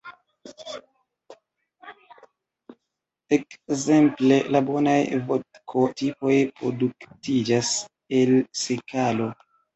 Ekzemple la bonaj vodko-tipoj produktiĝas el sekalo.